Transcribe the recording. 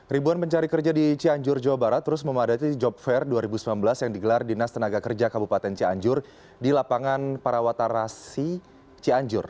ribuan pencari kerja di cianjur jawa barat terus memadati job fair dua ribu sembilan belas yang digelar dinas tenaga kerja kabupaten cianjur di lapangan parawatarasi cianjur